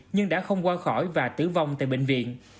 nhưng đã không qua khỏi và tử vong tại bệnh viện